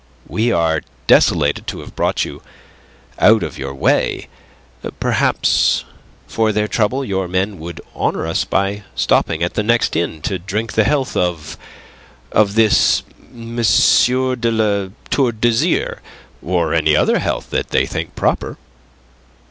"We are desolated to have brought you out of your way. Perhaps for their trouble your men would honour us by stopping at the next inn to drink the health of... of this M. de La Tour d' Azyr, or any other health that they think proper."